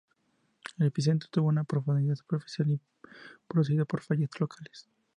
El epicentro tuvo una profundidad superficial, y fue producido por fallas locales.